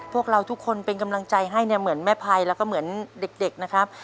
พวกเราทุกคนเป็นกำลังใจให้เนี่ยเหมือนแม่ภัยแล้วก็เหมือนเด็กนะครับ